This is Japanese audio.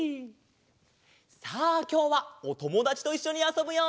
さあきょうはおともだちといっしょにあそぶよ！